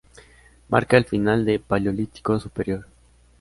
Marca el final de Paleolítico Superior.